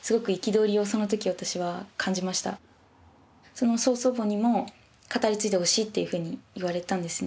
その曽祖母にも「語り継いでほしい」っていうふうに言われたんですね。